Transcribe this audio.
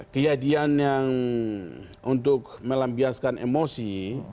kejadian yang untuk melampiaskan emosi